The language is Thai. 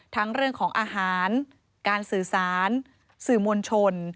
เรื่องของอาหารการสื่อสารสื่อมวลชน